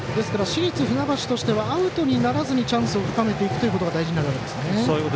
市立船橋としてはアウトにならずにチャンスを深めていくのが大事なんですね。